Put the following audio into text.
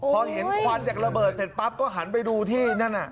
พอเห็นควันจากระเบิดเสร็จปั๊บก็หันไปดูที่นั่น